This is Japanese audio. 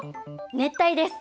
熱帯です。